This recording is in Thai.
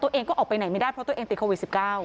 ตัวเองก็ออกไปไหนไม่ได้เพราะตัวเองติดโควิด๑๙